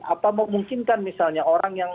apa memungkinkan misalnya orang yang